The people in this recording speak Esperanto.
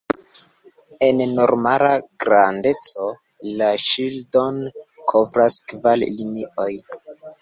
En normala grandeco, la ŝildon kovras kvar linioj.